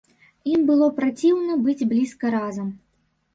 Ім было праціўна быць блізка разам.